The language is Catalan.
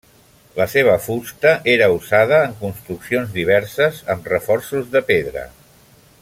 La seva fusta era usada en construccions diverses, amb reforços de pedra.